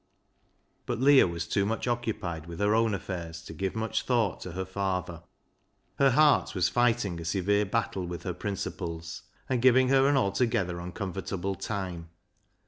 But Leah was too much occupied with her own affairs to give much thought to her father. Her heart was fighting a severe battle with her principles, and giving her an altogether uncom fortable time.